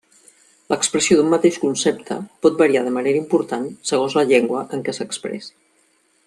L'expressió d'un mateix concepte pot variar de manera important segons la llengua en què s'expressi.